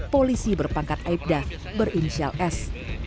polisi berpangkat aibda berinisial s